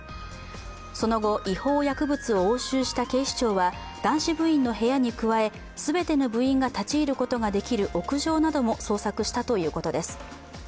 その後違法薬物を押収した警視庁は男子部員の部屋に加え、全ての部員が立ち入ることができる屋上なども捜索したということです。